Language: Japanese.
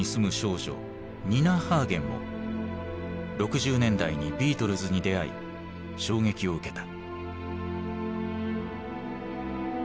ニナ・ハーゲンも６０年代にビートルズに出会い衝撃を受けた。